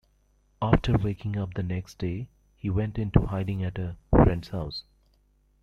After waking up the next day, he went into hiding at a friend's house.